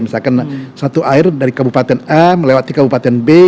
misalkan satu air dari kabupaten a melewati kabupaten b